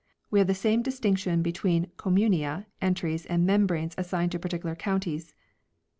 We have the same distinction be tween "Communia" entries and membranes assigned to particular counties.